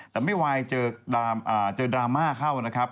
แต่ไม่ไหวเจอดราม่าเข้านะครับ